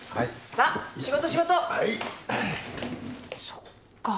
そっか